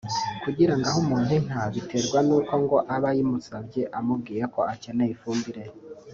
Kugira ngo ahe umuntu inka biterwa n’uko ngo aba ayimusabye amubwiye ko akeneye ifumbire